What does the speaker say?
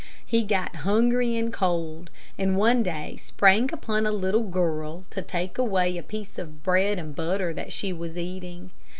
He got hungry and cold, and one day sprang upon a little girl, to take away a piece of bread and butter that she was eating.